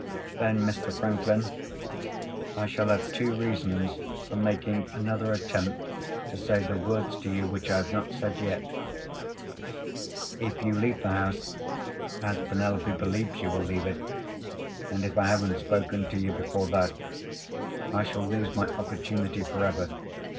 "Then, Mr. Franklin, I shall have two reasons for making another attempt to say the words to you which I have not said yet. If you leave the house, as Penelope believes you will leave it, and if I haven't spoken to you before that, I shall lose my opportunity forever.